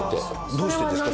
どうしてですか？